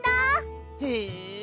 へえ！